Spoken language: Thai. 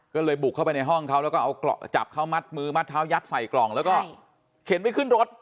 ก็เลยบุกเข้าไปในห้องเขาแล้วก็เอาจับเขามัดมือมัดเท้ายัดใส่กล่องแล้วก็เข็นไปขึ้นรถ